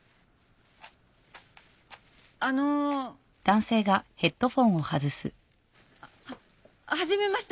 あのう。ははじめまして！